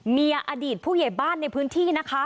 เมียอดีตผู้ใหญ่บ้านในพื้นที่